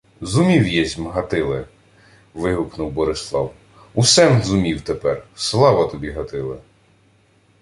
— Зумів, єсмь, Гатиле! — вигукнув Борислав. — Усе-м зумів тепер. Слава тобі, Гатиле!